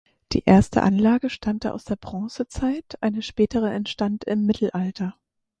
Die erste Anlage stammte aus der Bronzezeit, eine spätere entstand im Mittelalter.